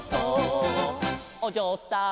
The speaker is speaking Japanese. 「おじょうさん」